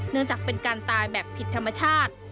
จากเป็นการตายแบบผิดธรรมชาติ